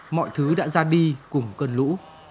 mọi thứ đã ra đi cùng cơn lũ